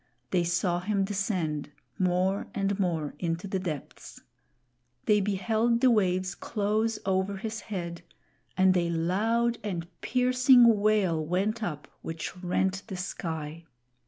They saw him descend, more and more, into the depths. They beheld the waves close over his head, and a loud and piercing wail went up which rent the sky.